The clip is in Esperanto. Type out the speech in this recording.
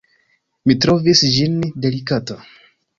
Mi trovis ĝin delikata.